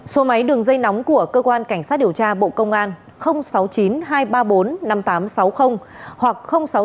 số máy đường dây nóng của cơ quan cảnh sát điều tra bộ công an sáu mươi chín hai trăm ba mươi bốn năm nghìn tám trăm sáu mươi hoặc sáu mươi chín hai trăm ba mươi hai một nghìn sáu trăm sáu mươi